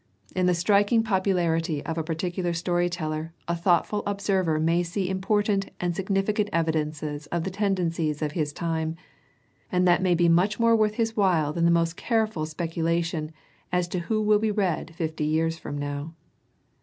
In the striking pop ularity of a particular storyteller a thoughtful ob server may see important and significant evidences of the tendencies of his time. And that may be much more worth his while than the most careful specula tion as to who will be read fifty years from now.